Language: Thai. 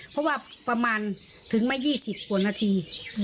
เพราะว่าถึงมายี่สิบกว่านาที